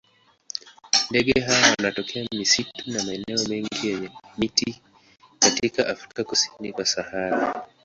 Ndege hawa wanatokea misitu na maeneo mengine yenye miti katika Afrika kusini kwa Sahara.